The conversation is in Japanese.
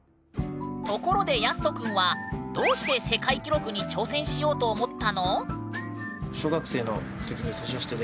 ところでやすと君はどうして世界記録に挑戦しようと思ったの？